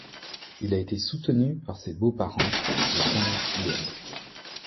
Il a été soutenu par ses beaux-parents, les Tanoukhyeen.